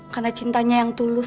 karena cintanya yang tulus